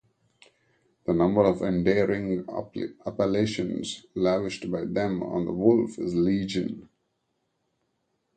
The number of endearing appellations lavished by them on the wolf is legion.